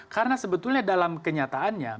karena sebetulnya dalam kenyataannya